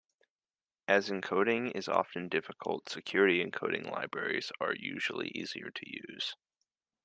As encoding is often difficult, security encoding libraries are usually easier to use.